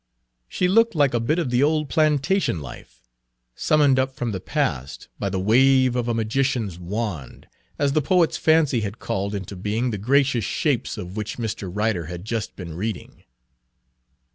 She looked like a bit of the old plantation life, summoned up from the past by the wave of a magician's wand, as the poet's fancy had called into being the gracious shapes of which Mr. Ryder had just been reading.